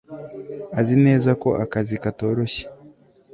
Azi neza ko akazi katoroshye